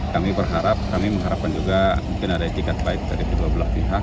kami berharap kami mengharapkan juga mungkin ada etikat baik dari kedua belah pihak